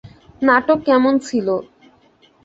নাটক কেমন ছিল?